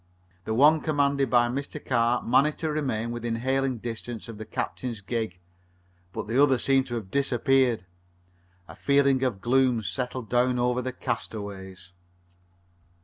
The one commanded by Mr. Carr managed to remain within hailing distance of the captain's gig, but the other seemed to have disappeared. A feeling of gloom settled down over the castaways.